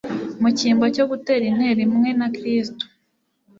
Mu cyimbo cyo gutera intero imwe na Kristo,